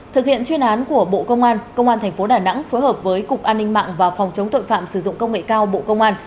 thực hiện chuyên án của bộ công an công an tp đà nẵng phối hợp với cục an ninh mạng và phòng chống tội phạm sử dụng công nghệ cao bộ công an